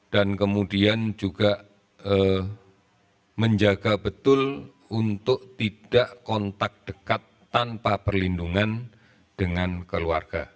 dan kemudian juga menjaga betul untuk tidak kontak dekat tanpa perlindungan dengan keluarga